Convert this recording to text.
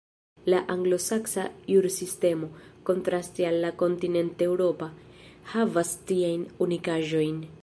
La anglosaksa jursistemo, kontraste al la kontinent-eŭropa, havas tiajn unikaĵojn.